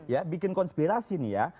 ya bikin konspirasi nih ya